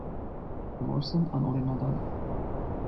Որսն անօրինական է։